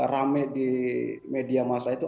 rame di media masa itu